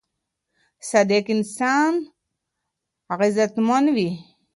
صادق انسان عزتمن وي.